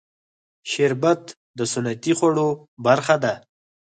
شربت د سنتي خوړو برخه ده